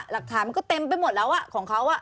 หลักฐานก็เต็มไปหมดแล้วอ่ะของเขาอ่ะ